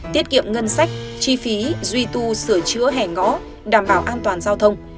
tiết kiệm ngân sách chi phí duy tu sửa chữa hè ngõ đảm bảo an toàn giao thông